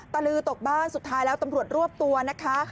ตะลือตกบ้านสุดท้ายแล้วตำรวจรวบตัวนะคะ